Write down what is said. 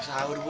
udah sahur bu